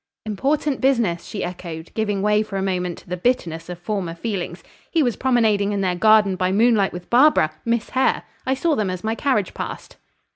"Important business!" she echoed, giving way for a moment to the bitterness of former feelings. "He was promenading in their garden by moonlight with Barbara Miss Hare. I saw them as my carriage passed."